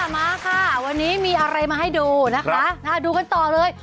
มาค่ะวันนี้มีอะไรมาให้ดูนะคะดูกันต่อเลย